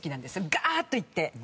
ガーッといって。